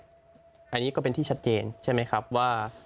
อันนี้ก็เป็นที่ชัดเจนใช่ไหมครับว่า